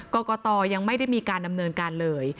กรกตยังไม่ได้มีการดำเนินการเลย